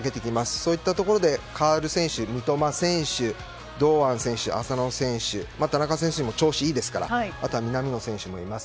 そういったところで代わる選手三笘選手、堂安選手、浅野選手田中選手も調子いいですし南野選手もいます。